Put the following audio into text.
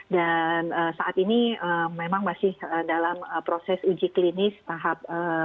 dan saat ini memang masih dalam proses uji klinis tahap dua